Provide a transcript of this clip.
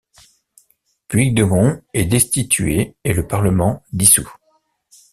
Puigdemont est destitué et le Parlement dissous.